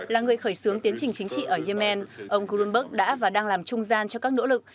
là người khởi xướng tiến trình chính trị ở yemen ông grunberg đã và đang làm trung gian cho các nỗ lực